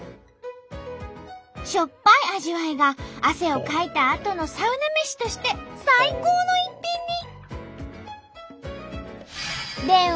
しょっぱい味わいが汗をかいたあとのサウナ飯として最高の一品に！